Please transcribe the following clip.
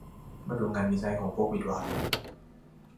มาดูงานวิจัยของวิศวะ